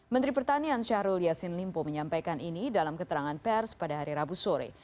menteri pertanian syahrul yassin limpo menyampaikan ini dalam keterangan pers pada hari rabu sore